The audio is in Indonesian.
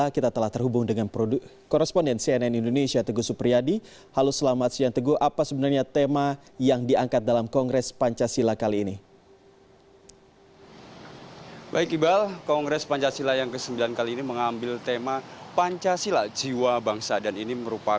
di tangga ini di tangga keramat ini